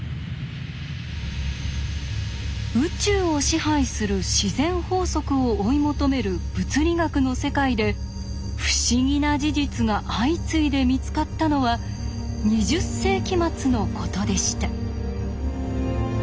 宇宙を支配する自然法則を追い求める物理学の世界で不思議な事実が相次いで見つかったのは２０世紀末のことでした。